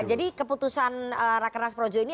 jadi keputusan rakernas projo ini